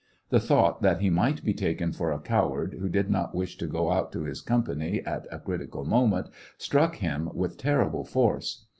The thought that he might be taken for a coward, who did not wish to go out to his company at a critical moment, struck him with terrible force.